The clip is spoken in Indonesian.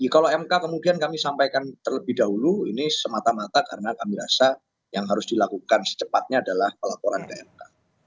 kalau mk kemudian kami sampaikan terlebih dahulu ini semata mata karena kami rasa yang harus dilakukan secepatnya adalah pelaporan ke mk